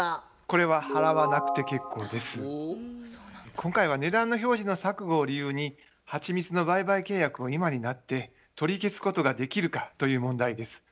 今回は値段の表示の錯誤を理由にはちみつの売買契約を今になって取り消すことができるかという問題です。